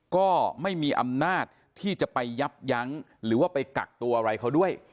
ก็ไม่มีอำนาจที่จะไปยับยั้งหรือว่าไปกักตัวอะไรเขาด้วย